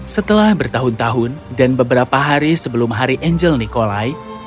setelah bertahun tahun dan beberapa hari sebelum hari angel nikolai